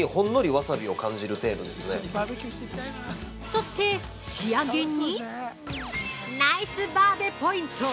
◆そして、仕上げにナイスバーベポイント！